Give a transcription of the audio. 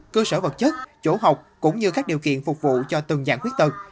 cơ sở vật chất chỗ học cũng như các điều kiện phục vụ cho từng dạng khuyết tật